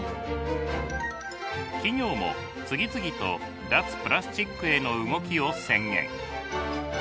企業も次々と脱プラスチックへの動きを宣言。